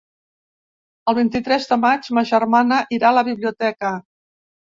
El vint-i-tres de maig ma germana irà a la biblioteca.